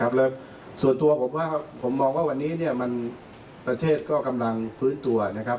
แล้วส่วนตัวผมว่าผมมองว่าวันนี้ประเทศก็กำลังฟื้นตัวนะครับ